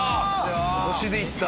腰でいった！